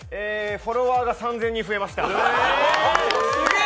フォロワーが３０００人増えました。